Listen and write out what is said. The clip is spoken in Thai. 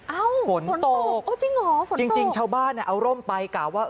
อ้าวฝนตกจริงหรอจริงชาวบ้านเอาร่มไปกล่าวว่า